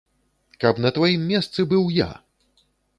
Каб на тваім месцы быў я!